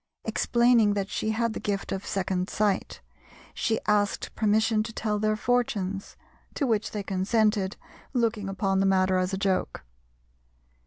Explaining that she had the gift of second sight, she asked permission to tell their fortunes, to which they consented, looking upon the matter as a joke.